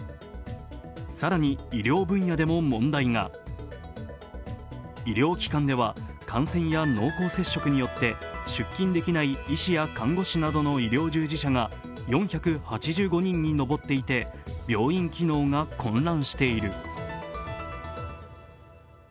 更に、医療分野でも問題が医療機関では感染や濃厚接触によって出勤できない医師や看護師などの医療従事者が４８５人に上っていて、病院機能が混乱している。